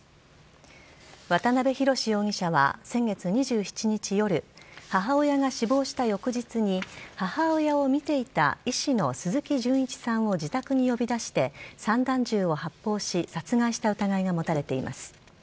渡辺宏容疑者は先月２７日夜母親が死亡した翌日に母親を診ていた医師の鈴木純一さんを自宅に呼び出して散弾銃を発砲し殺害した疑いが持たれています。